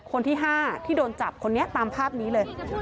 คนที่๕ที่โดนจับคนนี้ตามภาพนี้เลย